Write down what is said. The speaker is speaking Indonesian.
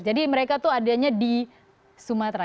jadi mereka adanya di sumatera